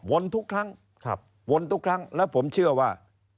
ทุกครั้งวนทุกครั้งและผมเชื่อว่า